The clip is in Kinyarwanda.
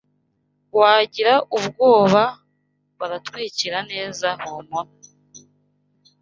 Wigira ubwoba Baratwakira neza humura